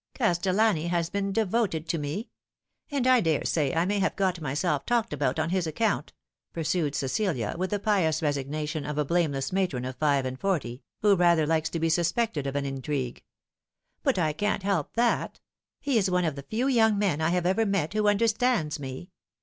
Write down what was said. Castellani has been devoted to me ; and I daresay I may have got myself talked about on his account," pursued Cecilia, with the pious resignation of a blameless matron of five and forty, who rather likes to be suspected of an intrigue ; "but I can't help that. He is one of the few young men I have ever met who under stands me.